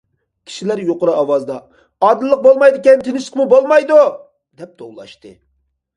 كىشىلەر يۇقىرى ئاۋازىدا« ئادىللىق بولمايدىكەن، تىنچلىقمۇ بولمايدۇ»- دەپ توۋلاشتى.